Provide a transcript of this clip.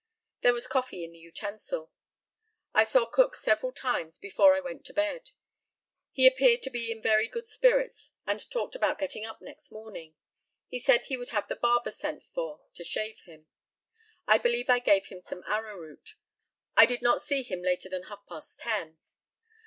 There was coffee in the utensil. I saw Cook several times before I went to bed. He appeared to be in very good spirits, and talked about getting up next morning. He said he would have the barber sent for to shave him. I believe I gave him some arrowroot. I did not see him later than half past ten.